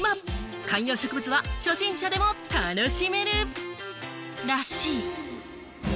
観葉植物は初心者でも楽しめるらしい。